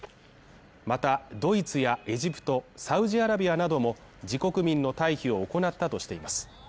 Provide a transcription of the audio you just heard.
また、ドイツやエジプト、サウジアラビアなども自国民の退避を行ったとしています。